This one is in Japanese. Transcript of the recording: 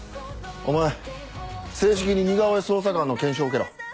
お前正式に似顔絵捜査官の研修を受けろ。